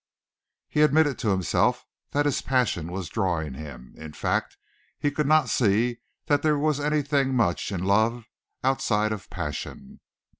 He admitted to himself that his passion was drawing him in fact he could not see that there was anything much in love outside of passion.